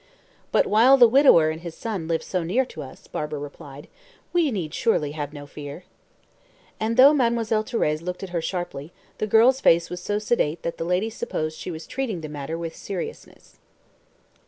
"But while the widower and his son live so near us," Barbara replied, "we need surely have no fear." And, though Mademoiselle Thérèse looked at her sharply, the girl's face was so sedate that the lady supposed she was treating the matter with seriousness.